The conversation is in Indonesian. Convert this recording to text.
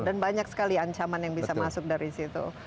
dan banyak sekali ancaman yang bisa masuk dari situ